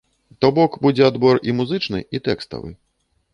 То бок, будзе адбор і музычны, і тэкставы.